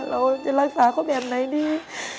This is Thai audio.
เราจะรักษาเขาแบบหน่อยดิ